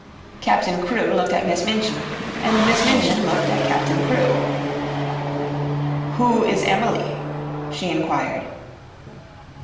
Captain Crewe looked at Miss Minchin and Miss Minchin looked at Captain Crewe. "Who is Emily?" she inquired.